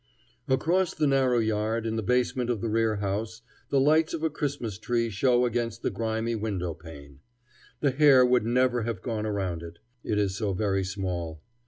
Across the narrow yard, in the basement of the rear house, the lights of a Christmas tree show against the grimy window pane. The hare would never have gone around it, it is so very small.